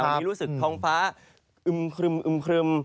มีรู้สึกท้องฟ้าอึมครึม